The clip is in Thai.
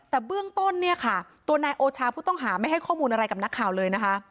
แต่เบื้องต้นเนี่ยค่ะตัวนายโอชาผู้ต้องหาไม่ให้ข้อมูลอะไรกับนักข่าวเลยนะคะ